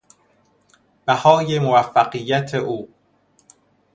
بهای موفقیت او